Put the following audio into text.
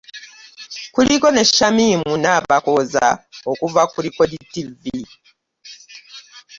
Kuliko ne Shamim Nabakooza okuva ku Record TV